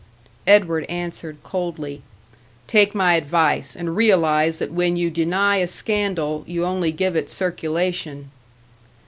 Edward answered, coldly, "Take my advice, and realise that when you deny a scandal, you only give it circulation."